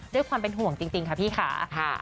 ด้วยความเป็นห่วงจริงค่ะพี่ค่ะ